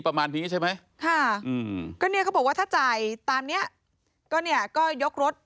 ประมาณนี้ใช่ไหมค่ะอืมก็เนี่ยเขาบอกว่าถ้าจ่ายตามเนี้ยก็เนี่ยก็ยกรถ